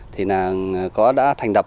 thì đã thành đập